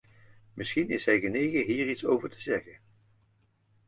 Misschien is hij genegen hier iets over te zeggen.